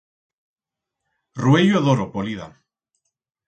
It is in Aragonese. Ruello d'oro, polida.